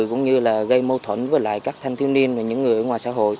cũng như là gây mâu thuẫn với lại các thanh thiếu niên và những người ở ngoài xã hội